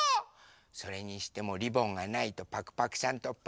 それにしてもリボンがないとパクパクさんとパクこさん